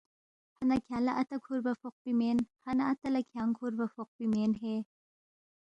ہنہ کھیانگ لہ اتا کُھوربا فوقپی مین، ہنہ اتا لہ کھیانگ کُھوربا فوقپی مین ہے